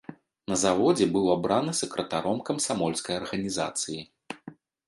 На заводзе быў абраны сакратаром камсамольскай арганізацыі.